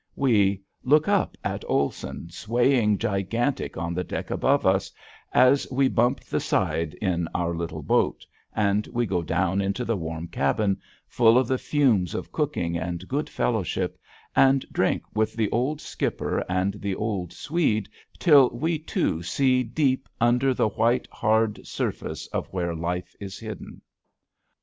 We "look up at Olson, swaying gigantic on the deck above us, as we bump the side in our little boat" and we go down into the warm cabin full of the fumes of cooking and good fellowship, and drink with the old skipper and the old Swede till we too see deep "under the white hard surface of where life is hidden."